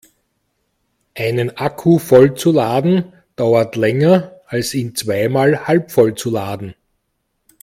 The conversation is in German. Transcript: Einen Akku voll zu laden dauert länger als ihn zweimal halbvoll zu laden.